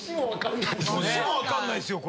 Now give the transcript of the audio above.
年も分かんないっすね。